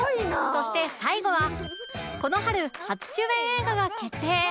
そして最後はこの春初主演映画が決定